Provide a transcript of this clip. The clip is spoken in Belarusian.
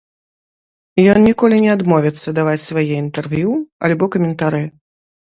Ён ніколі не адмовіцца даваць свае інтэрв'ю альбо каментары.